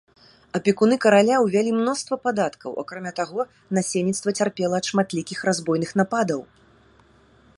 Апекуны караля ўвялі мноства падаткаў, акрамя таго, насельніцтва цярпела ад шматлікіх разбойных нападаў.